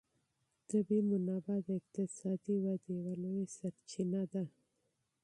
طبیعي منابع د اقتصادي ودې یوه لویه سرچینه ده.